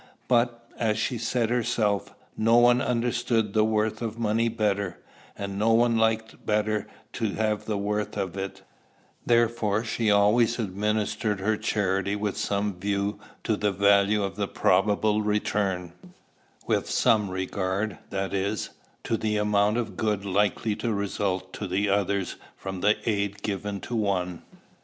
But, as she said herself, no one understood the worth of money better; and no one liked better to have the worth of it: therefore she always administered her charity with some view to the value of the probable return, with some regard, that is, to the amount of good likely to result to others from the aid given to one.